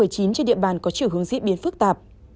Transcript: trên địa bàn có chiều hướng diễn biến phức tạp